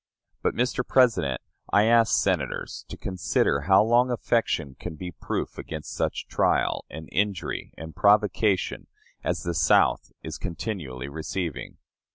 But, Mr. President, I ask Senators to consider how long affection can be proof against such trial, and injury, and provocation, as the South is continually receiving.